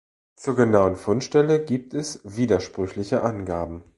Zur genauen Fundstelle gibt es widersprüchliche Angaben.